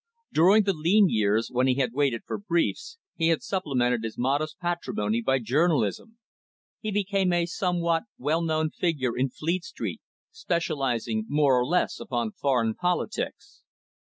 During the lean years, when he had waited for briefs, he had supplemented his modest patrimony by journalism. He became a somewhat well known figure in Fleet Street, specialising more or less upon foreign politics.